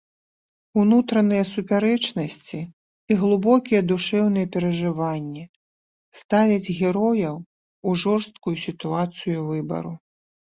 Унутраныя супярэчнасці і глыбокія душэўныя перажыванні ставяць герояў у жорсткую сітуацыю выбару.